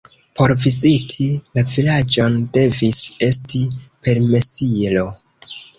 Por viziti la vilaĝon devis esti permesilo.